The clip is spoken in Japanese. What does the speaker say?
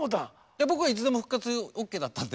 僕はいつでも復活オーケーだったんで。